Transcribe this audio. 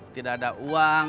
tidak ada uang